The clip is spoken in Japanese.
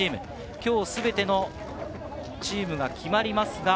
今日全てのチームが決まります。